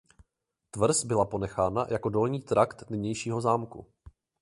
Tvrz byla ponechána jako dolní trakt nynějšího zámku.